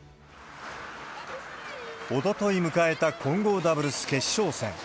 おととい迎えた混合ダブルス決勝戦。